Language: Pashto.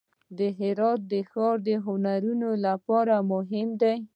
د هرات ښار د هنرونو لپاره مهم دی.